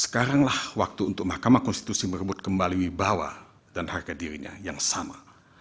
sekaranglah waktu untuk mahkamah konstitusi merebut kembali wibawa dan harga dirinya yang sama